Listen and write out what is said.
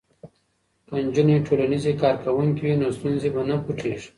که نجونې ټولنیزې کارکوونکې وي نو ستونزې به نه پټیږي.